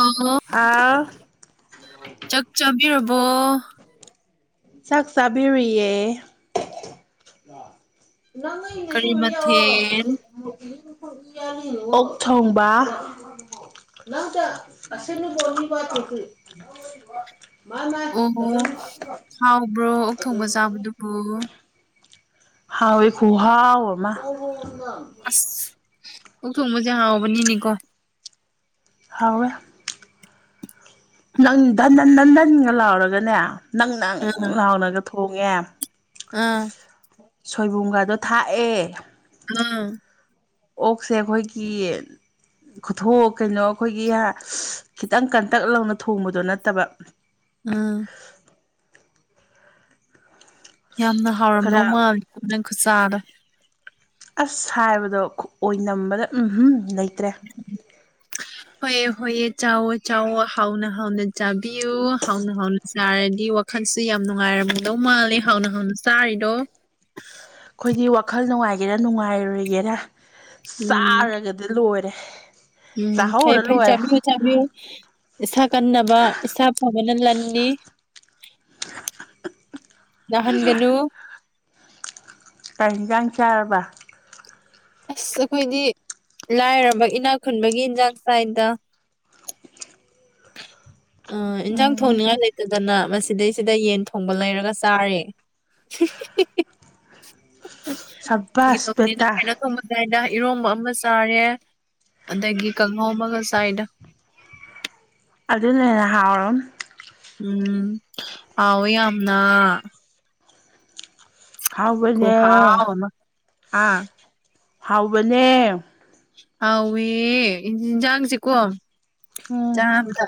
ꯑꯣ ꯍꯥꯎ ꯆꯥꯛ ꯆꯥꯕꯤꯔꯕꯣ ꯆꯥꯛ ꯆꯥꯕꯤꯔꯨꯏꯌꯦ ꯅꯪꯉ ꯏꯅꯤ ꯀꯔꯤ ꯊꯨꯅꯤ ꯋꯥ ꯃꯊꯦꯜ ꯑꯣꯛ ꯊꯣꯡꯕ ꯅꯪꯇ ꯑꯁꯤ [inaudible] ꯑꯣ ꯍꯥꯎꯕ꯭ꯔꯣ ꯑꯣꯛ ꯊꯣꯡꯕ ꯆꯥꯕꯗꯨꯕꯨ ꯍꯥꯎꯋꯦ ꯈꯨꯍꯥꯎ ꯑꯃ ꯑꯁ ꯑꫭꯛ ꯊꯣꯡꯕꯁꯦ ꯍꯥꯎꯕꯅꯤꯅꯦꯀꯣ ꯍꯥꯎꯋꯦ ꯅꯪ ꯗꯟꯗꯟ ꯗꯟꯗꯟꯒ ꯂꯥꯎꯔꯒꯅꯦ ꯅꯪ ꯅꯪ ꯑꯥ ꯂꯥꯎꯅꯒ ꯊꯣꯡꯉꯦ ꯑꯥ ꯁꯣꯏꯕꯨꯝꯒꯗꯣ ꯊꯥꯛꯑꯦ ꯎꯝ ꯑꯣꯛꯁꯦ ꯑꯩꯈꯣꯏꯒꯤ ꯈꯨꯊꯣꯛ ꯀꯩꯅꯣ ꯑꯩꯈꯣꯏꯒꯤ ꯈꯤꯇꯪ ꯀꯟꯇꯛ ꯂꯥꯎꯅ ꯊꯣꯡꯕꯗꯣ ꯅꯠꯇꯕ ꯎꯝ ꯌꯥꯝꯅ ꯈꯔ ꯍꯥꯎꯔꯝꯗꯧ ꯃꯥꯜꯂꯤ ꯅꯪ ꯈꯨꯆꯥꯗꫭ ꯑꯁ ꯁꯥꯏꯕꯗꯣ ꯈꯨ ꯑꯣꯏꯅꯝꯕꯗ ꯎꯍꯨꯝ ꯂꯩꯇ꯭ꯔꯦ ꯍꯣꯏꯌꯦ ꯍꯣꯏꯌꯦ ꯆꯥꯎꯋꫭ ꯆꯥꯎꯋꫭ ꯍꯥꯎꯅ ꯍꯥꯎꯅ ꯆꯥꯕꯤꯌꯨ ꯍꯥꯎꯅ ꯍꯥꯎꯅ ꯆꯥꯔꯗꯤ ꯋꯥꯈꯟ ꯈꯟꯁꯦ ꯌꯥꯝ ꯅꯨꯡꯉꯥꯏꯔꯝꯗꯧ ꯃꯥꯜꯂꯦ ꯍꯥꯎꯅ ꯍꯥꯎꯅ ꯆꯥꯔꯤꯗꯣ ꯑꯩꯈꯣꯏꯗꯤ ꯋꯥꯈꯜ ꯅꯨꯡꯉꯥꯏꯒꯦꯔꯥ ꯅꯨꯡꯉꯥꯏꯔꯣꯏꯒꯦꯔꯥ ꯎꯝ ꯆꯥꯔꯒꯗ ꯂꯣꯏꯔꯦ ꯎꯝ ꯐꯩ ꯆꯥꯍꯧꯔ ꯐꯩ ꯂꯣꯏꯔꯦ ꯆꯕꯤꯌꯨ ꯆꯥꯕꯤꯌꯨ ꯏꯁꯥ ꯀꯟꯅꯕ ꯏꯁꯥ ꯐꯕꯅ ꯂꯟꯅꯤ ꯅꯥꯍꯟ ꯒꯅꯨ ꯀꯩ ꯍꯤꯟꯖꯥꯡ ꯆꯥꯔꯕ ꯑꯁ ꯑꯩꯈꯣꯏꯗꯤ ꯂꯥꯏꯔꯕ ꯏꯅꯥꯛ ꯈꯨꯟꯕꯒꯤ ꯏꯟꯖꯥꯡ ꯆꯥꯏꯗ [inaudible] [inaudible] ꯑ ꯏꯟꯁꯥꯡ ꯎꯝ ꯊꯣꯡꯅꯤꯉꯥꯏ ꯂꯩꯇꯗꯅ ꯃꯁꯤꯗꯩꯁꯤꯗ ꯌꯦꯟ ꯊꯣꯡꯕ ꯂꯩꯔꯒ ꯆꯥꯔꯦ [inaudible] ꯁꯕꯥꯁ ꯕꯦꯇꯥ ꯀꯩꯅꫭ ꯊꫭꯡꯕ ꯆꯥꯏꯗ ꯏꯔꯣꯝꯕ ꯑꯃ ꯆꯥꯔꯦ ꯑꯗꯒꯤ ꯀꯥꯡꯍꯧ ꯑꯃꯒ ꯆꯥꯏꯗ ꯑꯗꯨꯅꯦ ꯍꯦꯟ ꯍꯥꯎꯔꯟ ꯎꯝ ꯍꯥꯎꯋꯦ ꯌꯥꯝꯅ ꯈꯨꯍꯥꯎ ꯍꯥꯎꯕꯅꯦ ꯑꯃ ꯍꯥꯥ ꯍꯥꯎꯕꯅꯦ ꯍꯥꯎꯋꯦ ꯌꯦꯟꯁꯥꯡꯁꯤꯀꯣ ꯎꯝ ꯆꯥꯕꯗ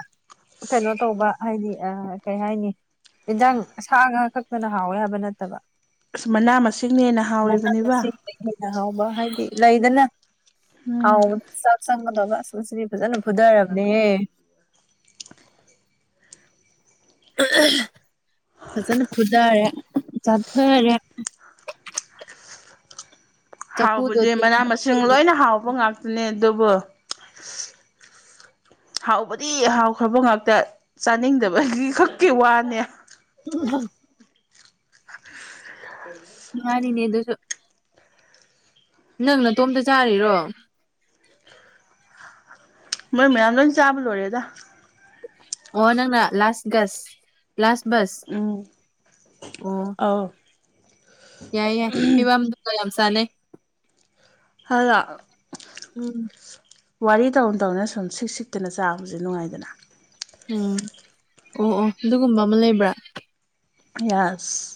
ꯀꯩꯅꯣ ꯇꯧꯕ ꯍꯥꯏꯗꯤ ꯑ ꯀꯩ ꯍꯥꯏꯅꯤ ꯌꯦꯟꯁꯥꯡ ꯁꯥ ꯉꯥ ꯈꯛꯇꯅ ꯍꯥꯎꯋꯦ ꯍꯥꯏꯕ ꯅꯠꯇꯕ ꯑꯁ ꯃꯅꯥ ꯃꯁꯤꯡꯅ ꯍꯦꯟꯅ ꯃꯅꯥ ꯍꯥꯎꯔꯤꯕꯅꯤꯕ ꯃꯁꯤꯡ ꯗꯩ ꯍꯦꯟꯅ ꯍꯥꯎ ꯂ ꯍꯥꯏꯗꯤ ꯂꯩꯗꯅ ꯎꯝ ꯍꯥꯎꯕꯗ ꯆꯥꯛ ꯆꯪꯒꯗ ꯑꯁ ꯉꯁꯤꯗꯤ ꯐꯖꯅ ꯐꯨꯗꯔꯕ ꯅꯤꯍꯦ [inaudible] ꯐꯖꯅ ꯐꯨꯊꯔꯦ ꯆꯥꯊꯔꯦ ꯆꯐꯨꯗꯣ ꯍꯥꯎꯕꯗꯤ ꯃꯅꯥ ꯃꯁꯤꯡ ꯂꯣꯏꯅ ꯍꯥꯎꯕ ꯉꯥꯛꯇꯅꯦ ꯑꯗꯨꯕꯨ ꯍꯥꯎꯕꯗꯤ ꯍꯥꯎꯈ꯭ꯔꯕ ꯉꯥꯛꯇ ꯆꯥꯅꯤꯡꯗꯕꯒꯤ ꯈꯛꯀꯤ ꯋꯥꯅꯦ ꯎꯝ ꯃꯥꯅꯤꯅꯦ ꯗꯨꯁꯨ ꯅꯪ ꯅꯇꯣꯝꯇ ꯆꯥꯔꯤꯔꯣ ꯃꯣꯏ ꯃꯌꯥꯝ ꯂꯣꯏ ꯆꯥꯕ ꯂꯣꯏꯔꯦꯗ ꯑꯣ ꯅꯪꯅ ꯂꯥꯁ ꯒꯁ ꯂꯥꯁ ꯕꯁ ꯎꯝ ꯑꯣ ꯑꯧ ꯌꯥꯏ ꯌꯥꯏ ꯐꯤꯕꯝꯗꯨꯒ ꯌꯥꯝ ꯆꯥꯟꯅꯩ ꯍꯂꫭ ꯎꯝ ꯋꯥꯔꯤ ꯇꯧꯅ ꯇꯧꯅ ꯁꯨꯝ ꯁꯤꯛ ꯁꯤꯛꯇꯅ ꯆꯥꯕꯁꯦ ꯅꯨꯡꯉꯥꯏꯗꯅ ꯎꯝ ꯑꯣ ꯑꯣ ꯑꯗꯨꯒꯨꯝꯕ ꯑꯃ ꯂꯩꯕ꯭ꯔꯥ ꯌꯥꯁ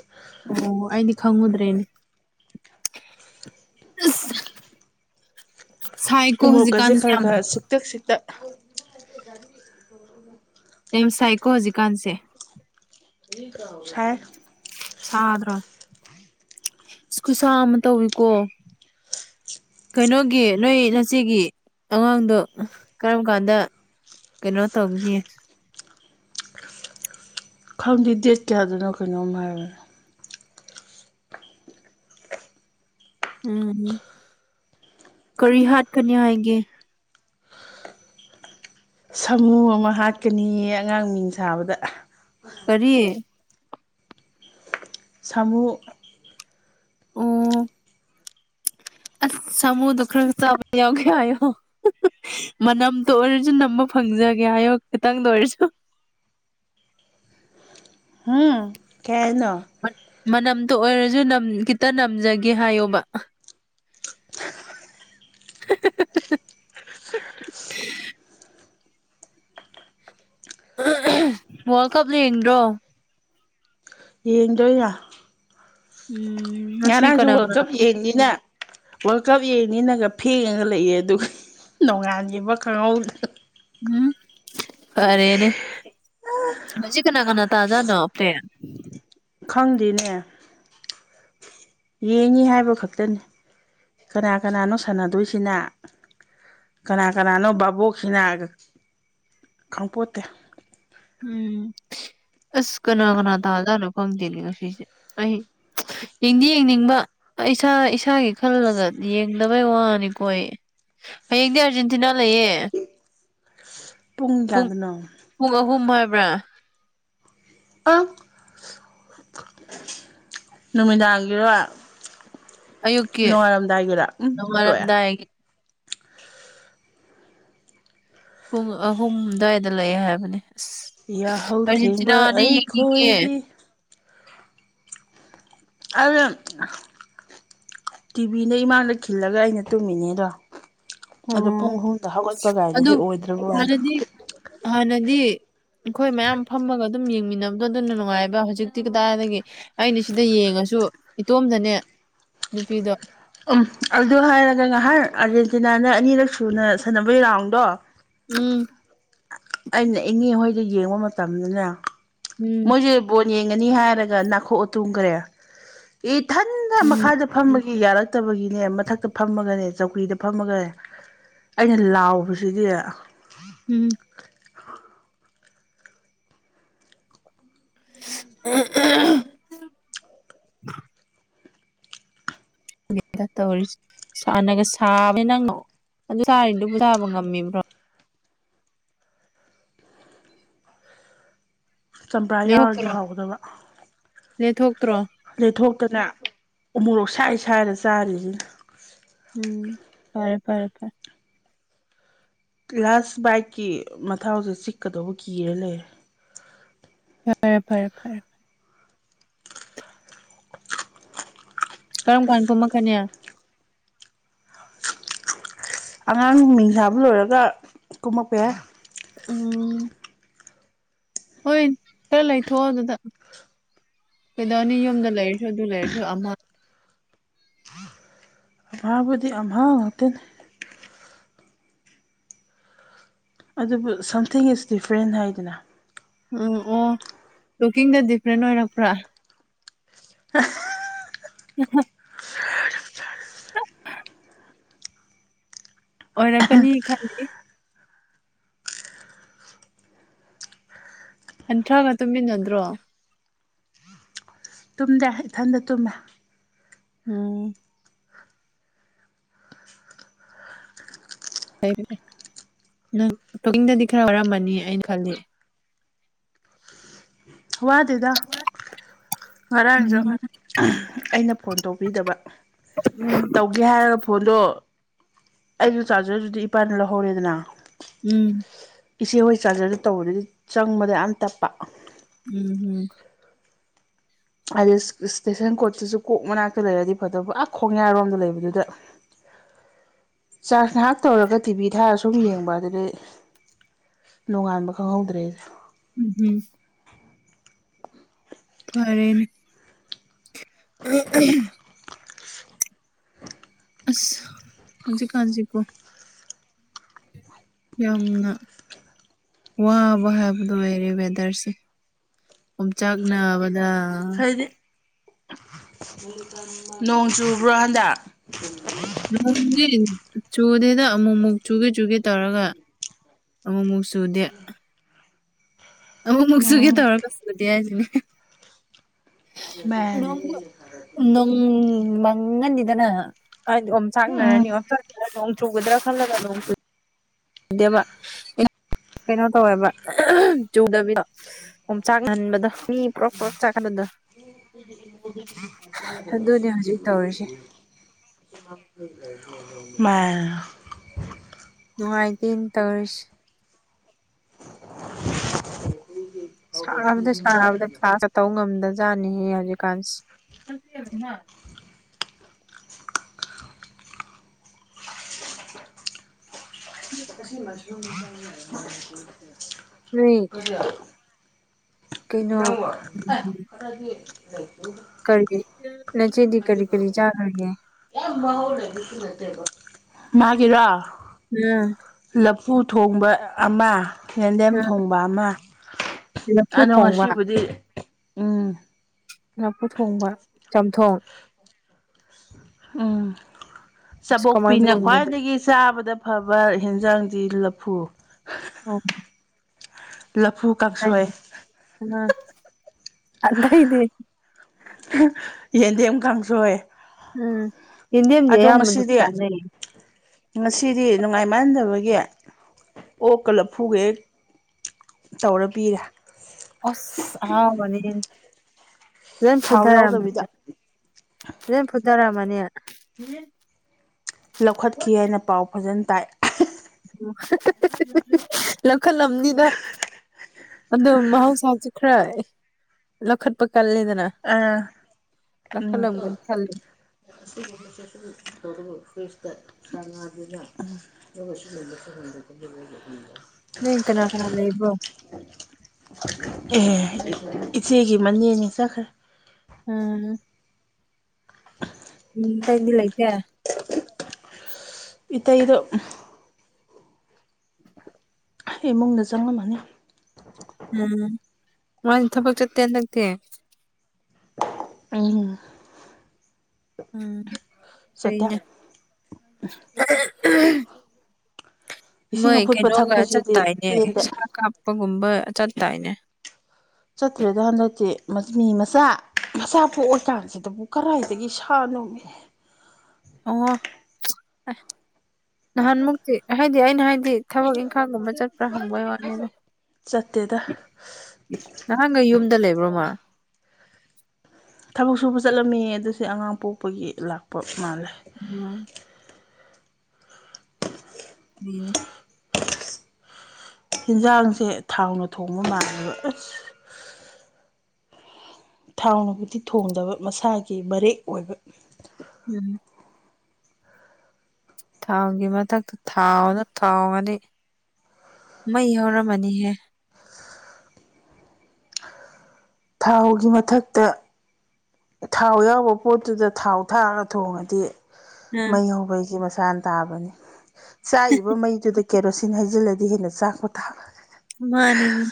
ꯑꯣ ꯑꯩꯗꯤ ꯈꯪꯉꯨꯗ꯭ꯔꯦꯅꯦ ꯑ [inaudible] ꯎꯃꯣꯛꯀꯁꯦ ꯈꯔ ꯈꯔ ꯁꯤꯛꯇꯛ ꯁꯤꯛꯇꯛ ꯑꯦꯝꯁꯥꯏꯀꯣ ꯍꯧꯖꯤꯀꯥꯟꯁꯦ ꯁꯥꯏ ꯁꯥꯗ꯭ꯔꯣ ꯀꯨꯁꯥ ꯑꯃ ꯇꯧꯋꯤꯀꯣ ꯀꯩꯅꯣꯒꯤ ꯅꯣꯏ ꯉꯆꯦꯒꯤ ꯑꯉꯥꯡꯗꯣ ꯀꯔꯝ ꯀꯥꯟꯗ ꯀꯩꯅꯣ ꯇꯧꯒꯅꯤ ꯈꯪꯗꯦ ꯗꯦꯠ ꯀꯌꯥꯗꯨꯅꯣ ꯀꯩꯅꯣꯝ ꯍꯥꯏꯔꯅꯦ ꯎꯝ ꯀꯔꯤ ꯍꯥꯠꯀꯅꯤ ꯍꯥꯏꯒꯦ ꯁꯥꯃꯨ ꯑꯃ ꯍꯥꯠꯀꯅꯤꯌꯦ ꯑꯉꯥꯡ ꯃꯤꯡ ꯁꯥꯕꯗ ꯀꯔꯤ ꯁꯃꯨ ꯑꯣ ꯑꯁ ꯁꯥꯃꯨꯗꯣ ꯈꯔ ꯆꯥꯕ ꯌꯥꯎꯒꯦ ꯍꯥꯏꯌꯣ ꯃꯅꯝꯗꯣ ꯑꯣꯏꯔꯁꯨ ꯅꯝꯕ ꯐꯪꯖꯒꯦ ꯍꯥꯏꯌꯣ ꯈꯤꯇꯪꯗ ꯑꯣꯏꯔꯁꯨ ꯎꯝ ꯀꯩꯍꯥꯏꯅꯣ ꯃꯅꯝꯇꯣ ꯑꯣꯏꯔꯁꯨ ꯈꯤꯇ ꯅꯝꯖꯒꯦ ꯍꯥꯏꯌꯣꯕ [inaudible] ꯋꯥꯔꯜ ꯀꯞ ꯌꯦꯡꯗ꯭ꯔꯣ ꯌꯦꯡꯗꯣꯏꯦ ꯎꯝ ꯉꯁꯤ ꯉꯔꯥꯡꯁꯨ ꯀꯅꯥ ꯋꯥꯔꯜ ꯀꯅꯥ ꯀꯞ ꯌꯦꯡꯅꯤꯅ ꯋꯥꯔꯜ ꯀꯞ ꯌꯦꯡꯅꯤꯅꯒ ꯐꯦꯡꯉ ꯂꯩꯑ ꯑꯗꯨꯒ ꯅꯣꯡꯉꯥꯟꯈꯤꯕ ꯈꯪꯍꯧꯗꯦ ꯎꯝ ꯐꯔꯦꯅꯦ ꯃꯁꯤ ꯀꯅꯥ ꯀꯅꯥ ꯇꯥꯖꯥꯅꯣ ꯄ꯭ꯂꯦ ꯈꯪꯗꯦꯅꯦ ꯌꯦꯡꯉꯤ ꯍꯥꯏꯕ ꯈꯛꯇꯅꯤ ꯀꯅꯥ ꯀꯅꯥꯅꯣ ꯁꯥꯟꯅꯗꯣꯏꯁꯤꯅ ꯀꯅꯥ ꯀꯅꯥꯅꯣ ꯕꯥꯕꯣꯛꯁꯤꯅꯥꯒ ꯈꯪꯄꯣꯠꯇꯦ ꯎꯝ ꯑꯁ ꯀꯅꯥ ꯀꯅꯥ ꯇꯖꯅꯣ ꯈꯪꯗꯦꯅꯦ ꯉꯁꯤꯁꯦ ꯑꯩ ꯌꯦꯡꯗꯤ ꯌꯦꯡꯅꯤꯡꯕ ꯏꯁꯥ ꯏꯁꯥꯒꯤ ꯈꯜꯂꯒ ꯌꯦꯡꯗꯕꯩ ꯋꯥꯅꯤꯀꯣ ꯍꯌꯦꯡꯗꯤ ꯑꯥꯔꯖꯦꯟꯇꯤꯅꯥ ꯂꯩꯌꯦ ꯄꯨꯡ ꯀꯌꯥꯗꯅꯣ ꯍꯨꯝ ꯍꯥꯏꯕ꯭ꯔꯥ ꯑ ꯅꯨꯃꯤꯗꯥꯡꯒꯤꯔꯣ ꯑꯌꯨꯛꯀꯤ ꯅꯣꯉꯔꯝꯗꯥꯏꯒꯤꯔ ꯎꯝ ꯇꯣꯛ ꯑꯦ ꯅꯣꯡꯉꯥꯜꯂꯝꯗꯥꯏꯒꯤ ꯄꯨꯡ ꯑꯍꯨꯝ ꯗꯨꯋꯥꯏꯗ ꯂꯑꯦ ꯍꯥꯏꯕꯅꯦ ꯌꯥꯍꯧ ꯊꯦꯡꯕ ꯑꯔꯖꯦꯟꯇꯤꯅꯗꯤ ꯌꯦꯡꯅꯤꯡꯉꯦ ꯑꯩꯈꯣꯏꯗꯤ ꯑ [inaudible] ꯇꯤꯚꯤꯅ ꯏꯃꯥꯡꯗ ꯈꯤꯜꯂꯒ ꯑꯩꯅ ꯇꯨꯝꯃꯤꯅꯦꯗꯣ ꯑꯣ ꯄꯨꯡ ꯑꯍꯨꯝꯛꯇ ꯍꯧꯒꯠꯄ ꯀꯥꯏꯗꯗꯤ ꯑꯣꯏꯗ꯭ꯔꯕ ꯋꯥꯅꯦ ꯍꯅꯗꯤ ꯑꯩꯈꯣꯏ ꯃꯌꯥꯝ ꯐꯝꯃꯒ ꯑꯗꯨꯝ ꯌꯦꯡꯃꯤꯟꯅꯕꯗꯣ ꯑꯗꯨꯅ ꯅꯨꯡꯉꯥꯏꯕ ꯍꯧꯖꯤꯛꯇꯤ ꯀꯗꯥꯏꯗꯒꯤ ꯑꯩꯅ ꯁꯤꯗ ꯌꯦꯡꯉꯁꯤ ꯨ ꯏꯇꯣꯝꯗꯅꯦ ꯅꯨꯄꯤꯗꯣ ꯎꯝ ꯑꯗꯨ ꯍꯥꯏꯔꯒ ꯉꯥꯏꯍꯥꯛ ꯑꯥꯔꯖꯦꯟꯇꯤꯅꯥꯅ ꯑꯅꯤꯔꯛ ꯁꯨꯅ ꯁꯥꯟꯅꯕꯒꯤ ꯔꯥꯎꯟꯗꯣ ꯎꯝ ꯑꯩꯅ ꯏꯉꯤꯍꯣꯏꯗ ꯌꯦꯡꯕ ꯃꯇꯝꯗꯅꯦ ꯎꯝ ꯃꯣꯏꯁꯦ ꯌꯦꯡꯉꯅꯤ ꯍꯥꯏꯔꯒ ꯅꯥꯈꯣꯛꯑꯇꯣꯡꯈꯔꯦ ꯏꯊꯟꯗ ꯎꯝ ꯃꯈꯥꯗ ꯐꯝꯒ ꯌꯥꯔꯛꯇꯕꯒꯤꯅꯦ ꯃꯊꯛꯇ ꯐꯝꯃꯒꯅꯦ ꯆꯧꯀ꯭ꯔꯤꯗ ꯐꯝꯃꯒ ꯑꯩꯅ ꯂꯥꯎꯕꯁꯤꯗꯤ ꯎꯝ ꯎ ꯇꯧꯔꯤꯁ ꯁꯅꯒ ꯁꯥꯕ ꯅꯪ ꯑꯗꯨ ꯁꯥꯔꯤꯗꯨꯕꯨ ꯁꯥꯥꯕ ꯉꯝꯃꯤꯕ꯭ꯔꯣ ꯆꯝꯄ꯭ꯔꯥ ꯌꯥꯎꯔꯒꯦ ꯂꯦꯊꯣꯛꯇ꯭ꯔꯣ ꯍꯥꯎꯒꯗꯕ ꯂꯦꯊꯣꯛꯇ꯭ꯔꯣ ꯂꯩꯊꯣꯛꯇꯅ ꯑꯃꯨꯔꯣꯛ ꯁꯥꯏ ꯁꯥꯏꯔ ꯆꯥꯔꯤꯁꯤꯅ ꯎꯝ ꯐꯔꯦ ꯐꯔꯦ ꯂꯥꯁ ꯕꯥꯏꯛꯀꯤ ꯃꯊꯧꯁꯦ ꯆꯤꯛꯀꯗꯧꯕ ꯀꯤꯔꯦ ꯂꯩꯔꯦ ꯐꯔꯦ ꯐꯔꯦ ꯐꯔꯦ ꯀꯔꯝ ꯀꯥꯟ ꯀꯨꯝꯝꯛꯅꯤ ꯑꯉꯥꯡ ꯃꯤꯡꯁꯕ ꯂꯣꯏꯔꯒ ꯀꯨꯝꯃꯛꯄ ꯌꯥꯏ ꯎꯝ ꯍꯣꯏ ꯈꯔ ꯂꯩꯊꯣꯛꯑꯣ ꯑꯗꯨꯗ ꯀꯩꯗꯧꯅꯤ ꯌꯨꯝꯗ ꯂꯩꯔꯁꯨ ꯑꯗꯨ ꯂꯩꯔꯁꯨ ꯑꯃ ꯑꯝꯍꯕꯨꯗꯤ ꯑꯝꯍꯥꯎ ꯉꯥꯛꯇꯅꯦ ꯑꯗꯨꯕꯨ ꯁꯝꯊꯤꯡ ꯏꯁ ꯗꯤꯐ꯭ꯔꯦꯟ ꯍꯥꯏꯗꯅ ꯎꯝ ꯑꯣ ꯀꯨꯀꯤꯡꯗ ꯗꯤꯐ꯭ꯔꯦꯟ ꯑꯣꯏꯔꯛꯄ꯭ꯔꯥ ꯑ ꯎ [unintelligible] ꯑꯣꯏꯔꯛꯀꯅꯤ ꯈꯜꯂꯤ ꯅꯟꯊ꯭ꯔꯒ ꯇꯨꯝꯃꯤꯟꯅ ꯅꯗ꯭ꯔꯣ ꯇꯨꯝꯗꯦ ꯏꯊꯟꯗ ꯇꯨꯝꯃꯦ ꯎꯝ ꯅꯪ ꯇꯡꯗꯗꯤ ꯈꯔ ꯋꯥꯔꯝꯕꯅꯤ ꯑꯩꯅ ꯈꯜꯂꯤ [unintelligible] ꯋꯥꯗꯦꯗ ꯉꯔꯥꯡꯁꯨ ꯎꯝ ꯑꯩꯅ ꯐꯣꯟ ꯇꯧꯕꯤꯗꯕ ꯇꯧꯒꯦ ꯍꯥꯏꯔꯒ ꯐꯣꯟꯗꯣ ꯑꯩꯁꯨ ꯆꯥꯔꯖꯔꯗꯨꯗꯤ ꯏꯄꯥꯅ ꯂꯧꯍꯧꯔꯦꯗꯅ ꯎꯝ ꯏꯆꯦ ꯍꯣꯏ ꯆꯥꯔꯖꯔꯗꯨ ꯇꯧꯕꯗꯗꯤ ꯆꯪꯕꯗ ꯌꯥꯝ ꯇꯞꯄ ꯎꯝ ꯎꯝ ꯍꯥꯏꯗꯤ ꯏꯁꯇꯦꯁꯟ ꯀꯣꯔꯠꯇꯁꯨ ꯀꯣꯛ ꯃꯅꯥꯛꯇ ꯂꯩꯔꯗꯤ ꯐꯠꯇꯕ ꯑꯥ ꯈꯣꯡꯌꯥꯔꯣꯝꯗ ꯂꯩꯕꯗꯨꯗ [unintelligible] ꯆꯥꯔꯖ ꯉꯥꯏꯍꯥꯛ ꯇꯧꯔꯒ ꯇꯤꯚꯤ ꯊꯥꯔ ꯁꯨꯝ ꯌꯦꯡꯕ ꯑꯗꯨꯗꯤ ꯅꯣꯡꯉꯥꯟꯕ ꯈꯪꯍꯧꯗ꯭ꯔꯦꯁꯦ ꯎꯝ ꯎꯝ ꯐꯔꯦꯅꯦ ꯑꯁ ꯍꯧꯖꯤ ꯀꯥꯟꯁꯤ ꯄꯣ ꯌꯥꯝꯅ ꯋꯥꯕ ꯍꯥꯏꯕꯗꯨꯣ ꯑꯣꯏꯔꯦ ꯋꯦꯗꯔꯁꯦ ꯌꯣꯡꯆꯥꯛ ꯅꯥꯕꯗ ꯍꯥꯏꯗꯤ ꯅꯣꯡ ꯆꯨꯕ꯭ꯔꯣ ꯍꯟꯗꯛ ꯅꯣꯡꯒꯤ ꯆꯨꯗꯦꯗ ꯑꯃꯨꯛ ꯑꯃꯨꯛ ꯆꯨꯒꯦ ꯆꯨꯒꯦ ꯇꯧꯔꯒ ꯑꯃꯃꯨꯛ ꯁꯨꯗꯦ ꯑꯣ ꯃꯛꯁꯨꯒꯦ ꯎꯝ ꯇꯧꯔ ꯆꯨꯗꯦ ꯍꯥꯏꯁꯤꯅꯤ ꯃꯥꯅꯦ ꯅꯪ ꯉꯟꯅꯤꯗꯅ ꯑꯩꯗꯤ ꯑꯣꯝ ꯎꯝ ꯆꯥꯛꯅꯔꯅꯤ ꯑꯣ ꯅꯣꯡ ꯆꯨꯒꯗ꯭ꯔꯥ ꯈꯜꯂꯒ ꯅꯣꯡ ꯗꯦꯕ ꯀꯩꯅꯣ ꯇꯧꯋꯦꯕ ꯆꯨꯗꯕꯤꯗꯣ꯫ ꯑꯣꯝ ꯆꯥꯛꯍꯟꯕꯗ ꯃꯤ ꯄꯔꯛ ꯄꯔꯛ ꯆꯥꯛꯀꯕꯗ꯫ ꯍꯧꯖꯤꯛ ꯇꯧꯔꯤꯁꯦ [unintelligible] ꯃꯥ꯫ ꯃꯥꯏꯗꯤꯟ ꯇꯧꯔꯤꯁꯦ ꯁꯥꯕꯗ ꯁꯥꯕꯗ ꯀ꯭ꯂꯥꯁ ꯇꯧ ꯉꯝꯗꯖꯥꯠꯅꯤꯍꯦ ꯍꯧꯖꯤꯛ꯫ ꯀꯥꯟꯁꯦ [unintelligible] [unintelligible] ꯀꯩꯅꯣ [unintelligible] ꯀꯒꯤ ꯅꯆꯦꯗꯤ ꯀꯔꯤ ꯀꯔꯤ ꯆꯈ꯭ꯔꯒꯦ ꯃꯥꯒꯤꯔ ꯎꯝ ꯂꯐꯨ ꯊꯣꯡꯕ ꯑꯃ ꯌꯦꯟꯗꯦꯝ ꯎꯝ ꯊꯣꯡꯕ ꯑꯃ ꯂꯐꯨ ꯑꯗꯣ ꯊꯣꯡꯕ ꯉꯁꯤꯕꯨꯗꯤ ꯎꯝ꯫ ꯂꯄꯨ ꯊꯣꯡꯕ ꯆꯝꯊꯣꯡ꯫ ꯎꯝ ꯑꯁ ꯀꯃꯥꯏꯅ ꯆꯥꯕꯣꯛꯄꯤꯅ ꯊꯣꯡꯉꯤꯅꯣ ꯈ꯭ꯋꯥꯏꯗꯒꯤ ꯆꯥꯕꯗ ꯐꯕ ꯍꯟꯖꯥꯡꯗꯤ ꯂꯐꯨ꯫ [unintelligible] ꯂꯐꯨ ꯀꯥꯡꯁꯣꯏ꯫ ꯑꯗꯏꯗꯤ꯫ ꯌꯦꯟꯗꯦꯝ ꯀꯥꯡꯁꯣꯏ꯫ ꯎꯝ꯫ ꯌꯦꯟꯗꯦꯝꯗꯤ ꯑꯗꯣ ꯑꯌꯥꯝꯕ ꯑꯗꯨꯝ ꯉꯁꯤꯗꯤ ꯆꯥꯅꯩ ꯉꯁꯤꯗꯤ ꯅꯨꯡꯉꯥꯏ ꯃꯥꯟꯍꯟꯗꯕꯒꯤ ꯑꯣꯀ ꯂꯐꯨꯒ ꯍꯦꯛ ꯇꯧꯔ ꯄꯤꯔꯦ꯫ ꯑꯁ ꯑꯉꯥꯑꯣꯕ ꯋꯥꯔꯤ꯫ ꯐꯖꯟ ꯊꯥꯎ ꯐꯨꯗꯔꯅꯤ ꯌꯥꯎꯗꯕꯤꯗ ꯐꯖꯟ ꯐꯨꯊꯔꯥꯃꯅꯤ꯫ ꯅꯤ ꯂꯧꯈꯠꯈꯤ ꯍꯥꯏꯅ ꯄꯥꯎ ꯐꯖꯅ ꯇꯥꯏ꯫ ꯂꯧꯈꯠ ꯂꯝꯅꯤꯗ꯫ ꯑꯗꯨꯝ ꯃꯍꯧꯁꯥꯁꯨ ꯈꯔ ꯂꯈꯠꯄ꯫ ꯑ ꯎꯝ꯫ [unintelligible] [unintelligible] ꯂꯧꯈꯠꯂꯝꯒꯅꯤ ꯈꯜꯂꯤ ꯅꯣꯏ ꯀꯅꯥ ꯀꯅꯥ ꯂꯩꯕ꯭ꯔꯣ ꯑꯦ꯫ ꯏꯆꯦꯒꯤ ꯃꯅꯦꯅꯦ ꯆꯠꯈ꯭ꯔꯦ꯫ ꯑꯝ꯫ ꯎꯝ ꯇꯏꯗꯤ ꯂꯥꯏꯇꯦ꯫ ꯏꯇꯩꯗꯣ꯫ ꯏꯃꯨꯡꯗ ꯆꯪꯉꯝꯃꯅꯤ꯫ ꯎꯝ ꯃꯥ ꯊꯕꯛ ꯆꯠꯇꯦꯅ ꯂꯇ꯫ ꯎꯝ꯫ ꯎꯝ ꯆꯠꯇꯦ ꯐꯩꯅꯦ꯫ ꯏꯁꯤꯡ ꯃꯣꯏ ꯑꯐꯨꯠꯄ ꯀꯩꯅꯣꯒ ꯊꯛꯄꯁꯤꯗꯤ ꯆꯠꯇꯥꯥꯏꯅꯦ꯫ ꯄꯦꯟꯗꯦ ꯆꯄꯒꯨꯝꯕ ꯆꯠꯇꯏꯅꯦ꯫ ꯆꯠꯇ꯭ꯔꯦꯗ ꯍꯟꯗꯛꯇꯤ ꯃꯤ ꯃꯆꯥ꯫ ꯃꯆꯥ ꯄꯣꯛꯑꯀꯥꯟꯁꯤꯗꯕꯨ ꯀꯗꯥꯏꯗꯒꯤ ꯁꯥꯅꯣꯃꯤ꯫ ꯑꯣ꯫ ꯅꯍꯥꯟꯃꯨꯛꯇꯤ ꯍꯥꯏꯗꯤ ꯑꯩꯅ ꯍꯥꯏꯗꯤ ꯊꯕꯛ ꯏꯪꯈꯥꯡꯒꯨꯝꯕ ꯆꯠꯄ꯭ꯔꯥ ꯍꯪꯕꯒꯤ ꯋꯥꯅꯦ꯫ ꯆꯠꯇꯦꯗ꯫ ꯗ ꯂꯩꯕ꯭ꯔꯣꯃꯥ ꯊꯕꯛ ꯁꯨꯕ ꯆꯠꯂꯝꯃꯤ ꯑꯗꯨꯁ ꯑꯉꯥꯡ ꯄꯣꯛꯄꯒꯤ ꯂꯥꯛꯄ ꯃꯥꯜꯂꯦ ꯎꯝ ꯃꯤꯑꯣꯕꯤꯏꯏ ꯌꯦꯟꯖꯥꯡꯁꯦ ꯊꯥꯎꯅ ꯊꯣꯡꯕ ꯃꯥꯜꯂꯦꯕ ꯑꯁ ꯊꯥꯎꯅꯕꯨꯗꯤ ꯊꯣꯡꯗꯕ ꯃꯁꯥꯒꯤ ꯃꯔꯦꯛ ꯑꯣꯏꯕ ꯎꯝ ꯊꯥꯎꯒꯤ ꯃꯊꯛꯇ ꯊꯥꯎꯅ ꯊꯥꯎꯒꯅꯤ ꯃꯩ ꯍꯧꯔꯝꯃꯅꯤꯍꯦ ꯊꯥꯎꯒꯤ ꯃꯊꯛꯇ ꯊꯥꯎ ꯌꯥꯎꯕ ꯄꯣꯠꯇꯨꯗ ꯊꯥꯎ ꯊꯥꯛꯑꯒ ꯊꯣꯡꯉꯗꯤ ꯎꯝ ꯃꯩ ꯍꯧꯕꯩꯒꯤ ꯃꯁꯥꯅ ꯇꯥꯕꯅꯤ ꯆꯥꯛꯏꯕ ꯃꯩꯗꯨꯗ ꯀꯦꯔꯣꯁꯤꯟ ꯍꯩꯖꯤꯜꯂꯗꯤ ꯍꯦꯟꯅ ꯆꯥꯛꯄꯣ ꯊꯥꯛꯦ ꯃꯥꯅꯤꯅꯦ